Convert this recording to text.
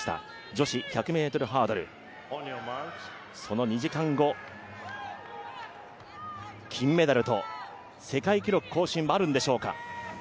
女子１００ｍハードル、その２時間後、金メダルと世界記録更新もあるんでしょうか。